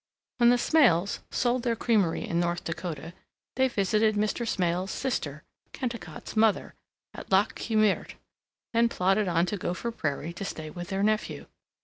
When the Smails sold their creamery in North Dakota they visited Mr. Smail's sister, Kennicott's mother, at Lac qui Meurt, then plodded on to Gopher Prairie to stay with their nephew.